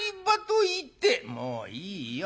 「もういいよ。